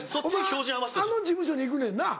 お前あの事務所に行くねんな？